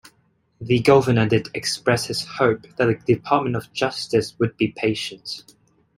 The Governor did express his hope that the Department of Justice would be patient.